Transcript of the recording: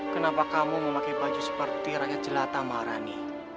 kenapa kamu memakai baju seperti rakyat jelata marani